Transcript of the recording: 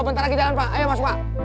bentar lagi jalan pak ayo masuk pak